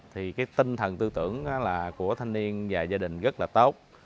thì cái tinh thần tư tưởng là của thanh niên và gia đình rất là tốt